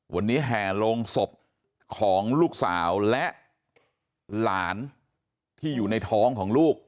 วันนี้แห่โรงศพของลูกสาวและหลานที่อยู่ในท้องของลูก